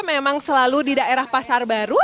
memang selalu di daerah pasar baru